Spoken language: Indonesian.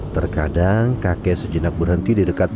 terkadang kakek sejenak berhenti di dekat kota